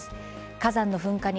火山の噴火に